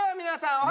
「皆さん」？